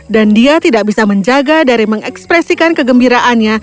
dan dia tidak bisa menjaga dari mengekspresikan kegembiraannya